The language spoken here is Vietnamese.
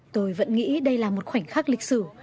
tôi vẫn nghĩ đây là một khoảnh khắc lịch sử